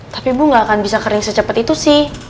tapi bu gak akan bisa kering secepet itu sih